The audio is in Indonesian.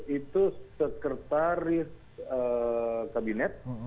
itu sekretaris kabinet